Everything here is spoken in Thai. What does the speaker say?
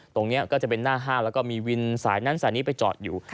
ตรงนี้ก็จะเป็นหน้าห้างแล้วก็มีวินสายนั้นสายนี้ไปจอดอยู่